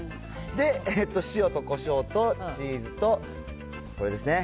で、塩とこしょうとチーズとこれですね。